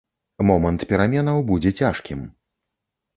Момант пераменаў будзе цяжкім.